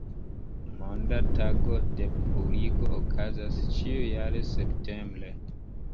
Monda Tago de Purigo okazas ĉiujare septembre.